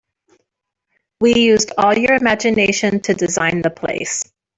We used all your imgination to design the place.